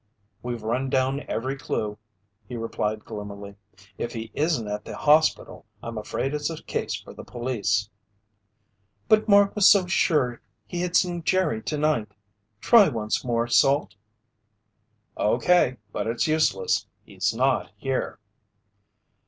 "We've run down every clue," he replied gloomily. "If he isn't at the hospital, I'm afraid it's a case for the police." "But Mark was so sure he had seen Jerry tonight. Try once more, Salt." "Okay, but it's useless. He's not here."